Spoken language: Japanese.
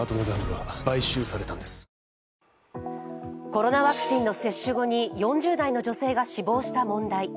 コロナワクチンの接種後に４０代の女性が死亡した問題。